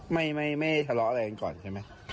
ไม่ทะเลาะอะไรกันก่อนใช่ไหม